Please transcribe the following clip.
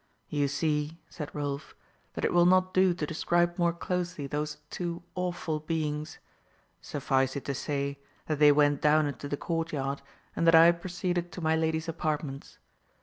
"You see," said Rolf, "that it will not do to describe more closely those two awful beings. Suffice it to say, that they went down into the court yard, and that I proceeded to my lady's apartments.